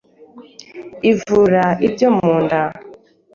ivura ibyo mu nda